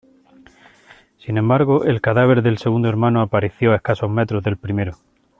Sin embargo, el cadáver del segundo hermano apareció a escasos metros del primero.